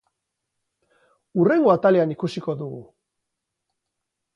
Hurrengo atalean ikusiko dugu!